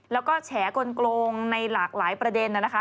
แล้วก็แฉกลงในหลากหลายประเด็นนะคะ